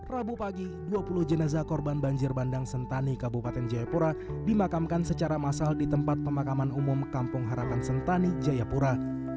rabu pagi dua puluh jenazah korban banjir bandang sentani kabupaten jayapura dimakamkan secara massal di tempat pemakaman umum kampung harapan sentani jayapura